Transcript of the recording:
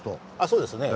そうですね。